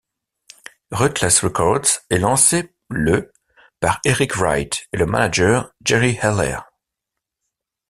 Ruthless Records est lancé le par Eric Wright et le manager Jerry Heller.